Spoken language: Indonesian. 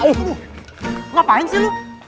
eh ngapain sih lu